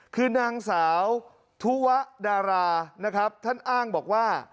คือนางสาวทุวะดารานะครับท่านอ้างบอกว่า